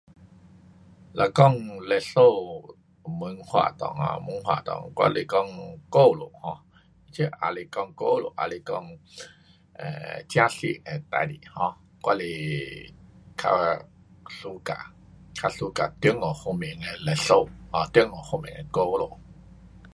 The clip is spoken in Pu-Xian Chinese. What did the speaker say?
若讲，历史文化内 um，文化内，我讲故事 um，这也是讲故事也是讲 um 真实的事情 um，我是较 suka 较 suka 中国方面的历史，中国方面的故事。